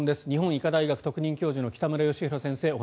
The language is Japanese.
日本医科大学特任教授の北村義浩先生